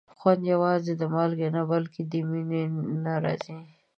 خوند یوازې د مالګې نه، بلکې د مینې نه راځي.